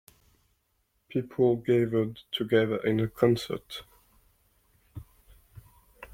People gathered together in a concert.